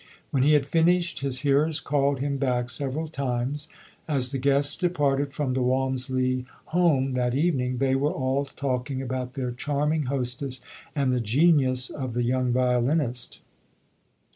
When he had finished, his hearers called him back several times. As the guests departed from the Walmisley home that evening, they were all talking about their charming hostess and the genius of the young violinist.